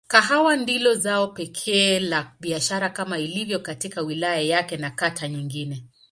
Kahawa ndilo zao pekee la biashara kama ilivyo katika wilaya yake na kata nyingine.